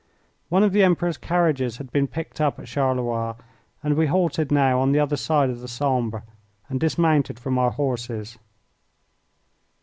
One of the Emperor's carriages had been picked up at Charleroi, and we halted now on the other side of the Sambre, and dismounted from our horses.